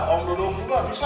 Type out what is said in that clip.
om dadang juga bisa